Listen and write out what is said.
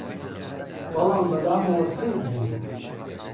بەڵام بە لامەوە سەیر بوو